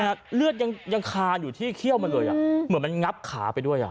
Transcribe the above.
เพราะเลือดยังคาอยู่ที่คี่มาเลยอ่ะเหมือนมันงับขาไปด้วยอ่ะ